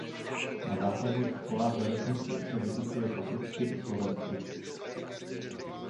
Na základních školách ve vesnici se vyučuje po srbsky i slovensky.